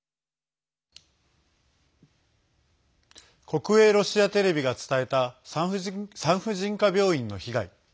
国営ロシアテレビが伝えた産婦人科病院の被害。